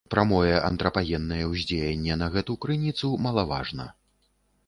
Прамое антрапагеннае ўздзеянне на гэту крыніцу малаважна.